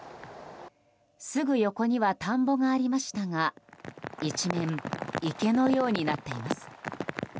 すぐ横には田んぼがありましたが一面、池のようになっています。